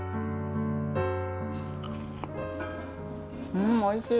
うんおいしい。